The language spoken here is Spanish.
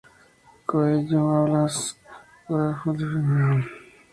Coello abofetea a Policarpo y a su sirviente.